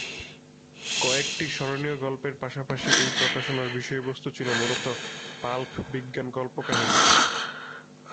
কয়েকটি স্মরণীয় গল্পের পাশাপাশি এই প্রকাশনার বিষয়বস্তু ছিল মূলত পাল্প বিজ্ঞান কল্পকাহিনি।